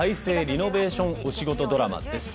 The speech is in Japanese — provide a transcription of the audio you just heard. リノベーションお仕事ドラマです。